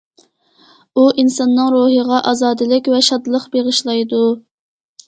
ئۇ ئىنساننىڭ روھىغا ئازادىلىك ۋە شادلىق بېغىشلايدۇ.